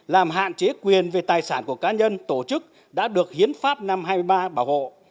làm hạn chế quyền về tài sản của cá nhân tổ chức đã được hiến pháp năm hai mươi ba bảo hộ